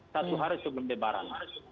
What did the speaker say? satu hari itu berdebaran